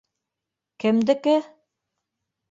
Кемдеке?!